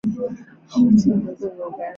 目前设有罗马博物馆。